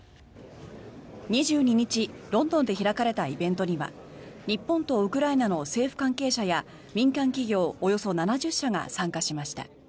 ２２日、ロンドンで開かれたイベントには日本とウクライナの政府関係者や民間企業およそ７０社が参加しました。